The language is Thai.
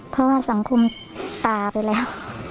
เพราะว่าสังคมตาไปแล้ว